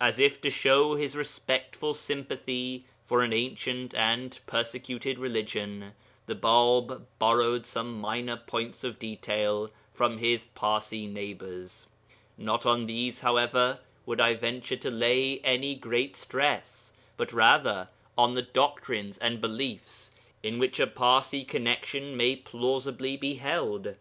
As if to show his respectful sympathy for an ancient and persecuted religion the Bāb borrowed some minor points of detail from his Parsi neighbours. Not on these, however, would I venture to lay any great stress, but rather on the doctrines and beliefs in which a Parsi connexion may plausibly be held.